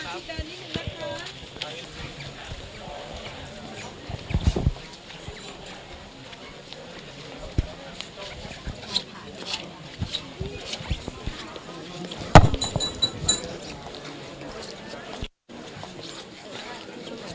แม่งกว้าง